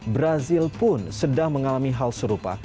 brazil pun sedang mengalami hal serupa